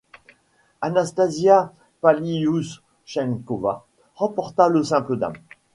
Anastasia Pavlyuchenkova remporte le simple dames.